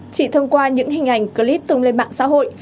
chỉ thông qua những hình ảnh clip tung lên mạng xã hội